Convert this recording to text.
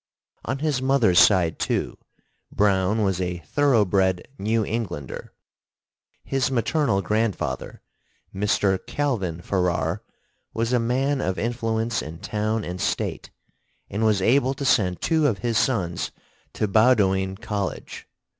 On his mother's side, too, Browne was a thorough bred New Englander. His maternal grandfather, Mr. Calvin Farrar, was a man of influence in town and State, and was able to send two of his sons to Bowdoin College.